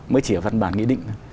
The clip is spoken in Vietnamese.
mới chỉ ở văn bản nghĩ định